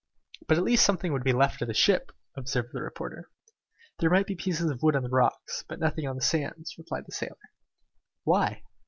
"But at least something would be left of the ship," observed the reporter. "There might be pieces of wood on the rocks, but nothing on the sands," replied the sailor. "Why?"